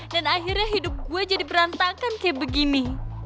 dan akhirnya hidup gue jadi berantakan kayak begini